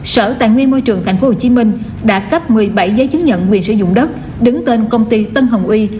sở tài nguyên môi trường tp hcm đã cấp một mươi bảy giấy chứng nhận quyền sử dụng đất đứng tên công ty tân hồng uy